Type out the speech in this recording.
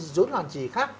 dối loạn gì khác